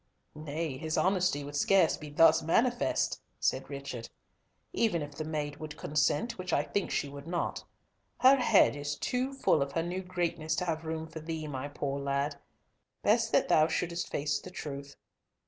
"Nay, his honesty would scarce be thus manifest," said Richard, "even if the maid would consent, which I think she would not. Her head is too full of her new greatness to have room for thee, my poor lad. Best that thou shouldest face the truth.